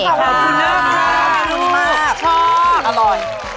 ขอบคุณมากชอบอร่อยค่ะ